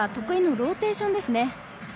得意のローテーションですね。